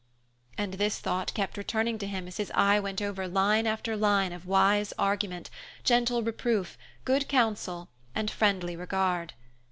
And this thought kept returning to him as his eye went over line after line of wise argument, gentle reproof, good counsel, and friendly regard.